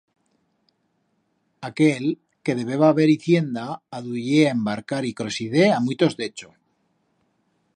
Aquel, que debeba haber hicienda, aduyé a embarcar y crosidé a muitos d'Echo.